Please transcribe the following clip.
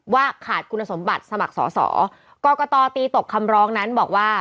ว่าขาดคุณสมบัติสมัครสอสอกรกตตีตกคำร้องนั้นบอกว่า